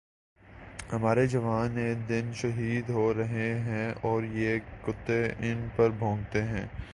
ہمارے جوان اے دن شہید ہو رہے ہیں اور یہ کتے ان پر بھونکتے ہیں